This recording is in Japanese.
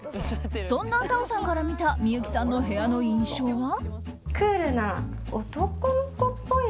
そんなＴａｏさんから見た幸さんの部屋の印象は。